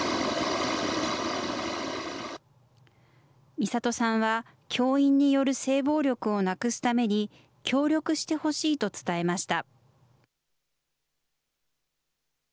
みさとさんは、教員による性暴力をなくすために、協力してほしいと伝えました。